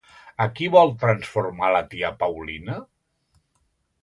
A qui vol transformar la tia Paulina?